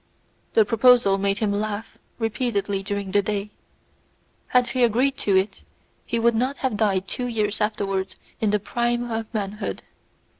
The proposal made him laugh repeatedly during the day. Had he agreed to it he would not have died two years afterwards in the prime of manhood.